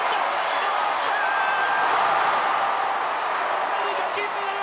アメリカ金メダル！